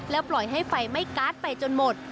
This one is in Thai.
ปล่อยให้ไฟไหม้การ์ดไปจนหมด